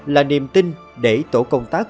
là niềm tin để tổ công tác